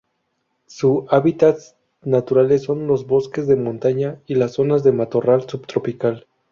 Su hábitats naturales son los bosques de montaña y las zonas de matorral subtropical.